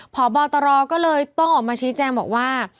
พบตรก็เลยต้องออกมาชี้แจงบอกว่า